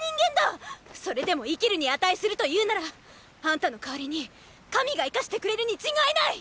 それでも生きるに値するというならあんたの代わりに神が生かしてくれるに違いない！